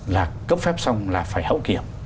là cấp phép xong là phải hậu kiểm